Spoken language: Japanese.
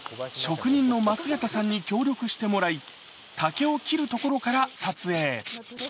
職人の増形さんに協力してもらい竹を切るところから撮影。